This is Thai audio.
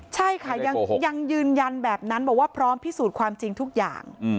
ใช่ค่ะยังยืนยันแบบนั้นบอกว่าพร้อมพิสูจน์ความจริงทุกอย่าง